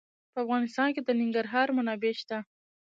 په افغانستان کې د ننګرهار منابع شته.